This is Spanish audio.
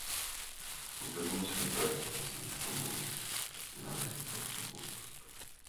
Aunque algunos ejemplares son bastante comunes en arrecifes profundos.